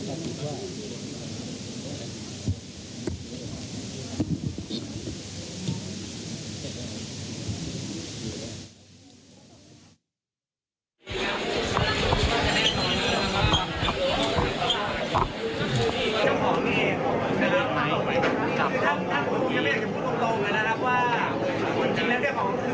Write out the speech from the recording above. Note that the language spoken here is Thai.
หนุ่ยจัดข่าวเราไปไหนฮะตรงนี้